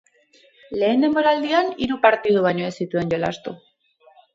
Lehen denboraldian hiru partidu baino ez zituen jolastu.